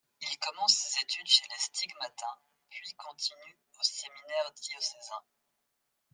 Il commence ses études chez les stigmatins, puis continue au séminaire diocésain.